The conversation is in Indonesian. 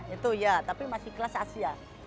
itu ya tapi masih kelas asia